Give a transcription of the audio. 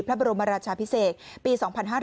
พระบรมราชาพิเศษปี๒๕๕๙